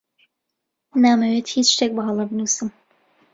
نامەوێت هیچ شتێک بەهەڵە بنووسم.